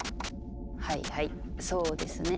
はいはいそうですね。